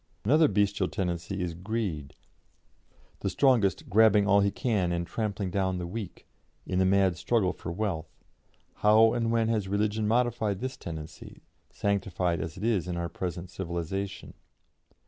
Another bestial tendency is greed, the strongest grabbing all he can and trampling down the weak, in the mad struggle for wealth; how and when has religion modified this tendency, sanctified as it is in our present civilisation?